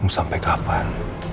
mau sampai kapan